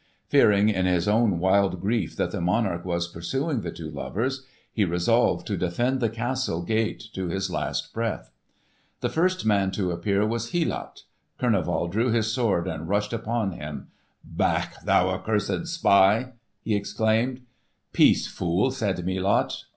Fearing in his own wild grief that the monarch was pursuing the two lovers, he resolved to defend the castle gate to his last breath. The first man to appear was Helot. Kurneval drew his sword and rushed upon him. "Back, thou cursed spy!" he exclaimed. "Peace, fool!" said Melot.